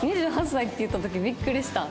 ２８歳って言った時ビックリした。